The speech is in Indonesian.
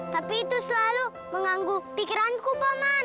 tapi itu selalu mengganggu pikiranku pak man